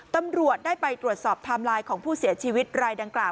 ตำรวจได้ไปตรวจสอบไทม์ไลน์ของผู้เสียชีวิตรายดังกล่าว